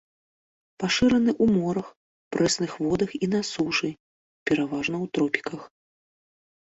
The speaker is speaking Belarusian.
Пашыраны ў морах, прэсных водах і на сушы, пераважна ў тропіках.